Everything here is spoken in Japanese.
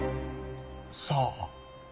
さあ。